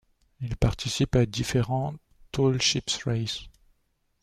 Il participe à différents Tall Ships' Races.